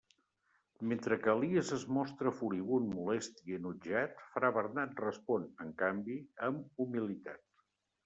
Mentre que Elies es mostra furibund, molest i enutjat, fra Bernat respon, en canvi, amb humilitat.